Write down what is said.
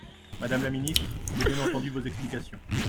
Madame la ministre, j’ai bien entendu vos explications.